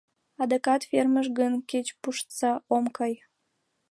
Адакат фермыш гын, кеч пуштса — ом кай!»